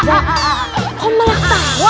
ibu kau malah ketawa